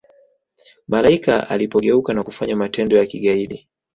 malaika alipogeuka na kufanya matendo ya kigaidi